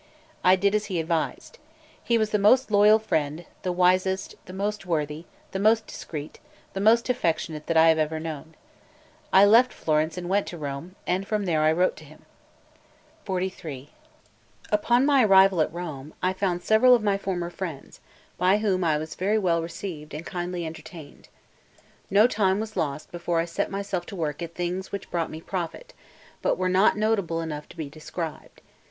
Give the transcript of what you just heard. I did as he advised. He was the most loyal friend, the wisest, the most worthy, the most discreet, the most affectionate that I have ever known. I left Florence and went to Rome, and from there I wrote to him. Note 1. 'Fecesi quelle orazioni.' It may mean "the prayers were offered up." XLIII UPON my arrival in Rome, I found several of my former friends, by whom I was very well received and kindly entertained. No time was lost before I set myself to work at things which brought me profit, but were not notable enough to be described.